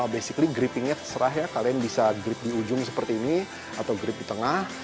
basically grippingnya terserah ya kalian bisa grip di ujung seperti ini atau grip di tengah